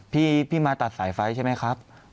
พี่มาตัดสายไฟใช่ไหมครับ